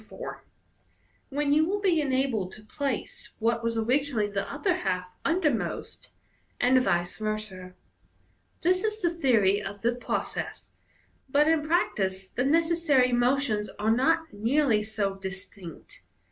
4), when you will be enabled to place what was originally the upper half undermost, and vice versa. This is the theory of the process, but in practice tie necessary motions are not nearly so distinct.